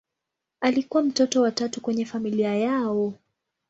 Alikuwa mtoto wa tatu kwenye familia yao.